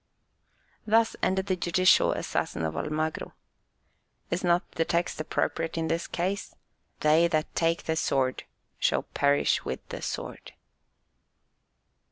Thus ended the judicial assassin of Almagro. Is not the text appropriate in this case: "They that take the sword shall perish with the sword"?